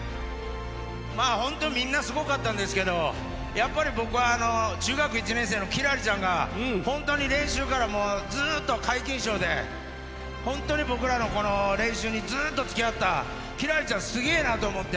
まあ本当、みんなすごかったんですけど、やっぱり僕は中学１年生の輝星ちゃんが、本当に練習からずっと皆勤賞で、本当に僕らのこの練習にずっとつきあった輝星ちゃん、すげえなと思って。